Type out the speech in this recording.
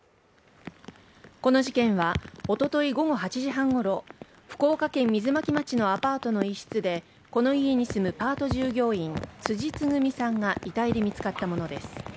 この事件は、おととい午後８時半ごろ、福岡県水巻町のアパートの一室で、この家に住むパート従業員辻つぐみさんが遺体で見つかったものです。